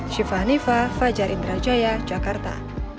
syifa hanifah fajar indrajaya jakarta